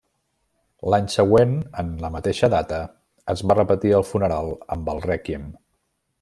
L'any següent en la mateixa data es va repetir el funeral amb el rèquiem.